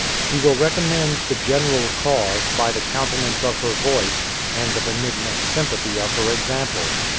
She will recommend the general cause, by the countenance of her voice, and the benignant sympathy of her example.